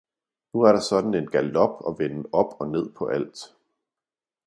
nu er der sådan en galop og venden op og ned på alt.